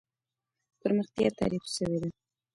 پرمختيا تعريف سوې ده.